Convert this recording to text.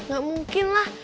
gak mungkin lah